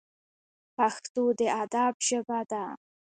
پښتو د ادب ژبه ده